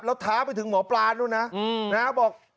แล้วท้าไปถึงหมอปลานด้วยนะนะครับบอก